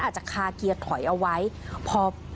พ่อคงเอาก้อนอิดไปถ่วงไว้ตรงคันเร่งจั๊มแบบนี้